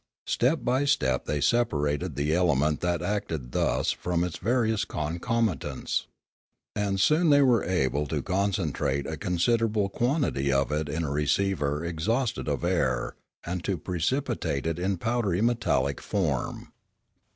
Step by step they separated the element that acted thus from its various concomitants. And soon they were able to concentrate a considerable quantity of it in a receiver exhausted of air, and to precipitate it in powdery metallic form.